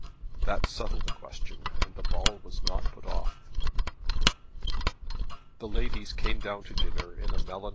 That settled the question and the ball was not put off. The ladies came down to dinner in a melancholy guise.